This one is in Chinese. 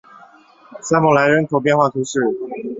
塞默莱人口变化图示